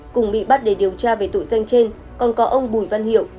cùng bị bắt để điều tra về tội danh trên còn có ông bùi văn hiệu